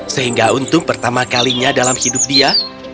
sehingga untuk pertama kalinya dalam hidup dia